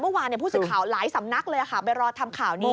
เมื่อวานผู้สื่อข่าวหลายสำนักเลยค่ะไปรอทำข่าวนี้